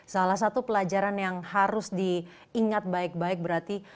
salah satu pelajaran yang harus diingat baik baik berarti